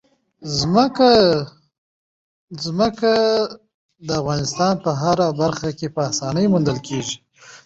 ځمکه د افغانستان په هره برخه کې په اسانۍ موندل کېږي.